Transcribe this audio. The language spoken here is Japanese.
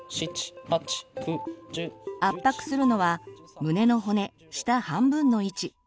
圧迫するのは胸の骨下半分の位置。